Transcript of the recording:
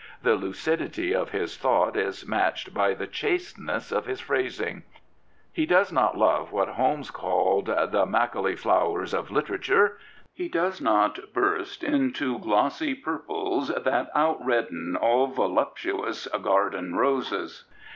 The lucidity of his thought is matched by the chasteness of his phrasing. He does not love what Holmes called the Macaulay flowers of literature." He does not burst — Into glossy purples that outredden All voluptuous garden roses.